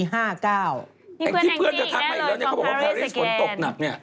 นี่คือแองจี้อีกแล้วเขาบอกว่าแพริสผลตกหนักนี่